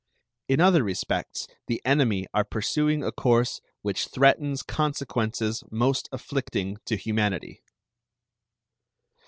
In other respects the enemy are pursuing a course which threatens consequences most afflicting to humanity.